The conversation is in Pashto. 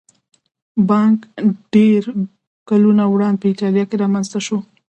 بانک ډېر کلونه وړاندې په ایټالیا کې رامنځته شو